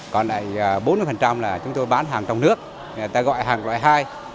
còn lại bốn mươi là chúng tôi bán hàng trong nước người ta gọi hàng loại hai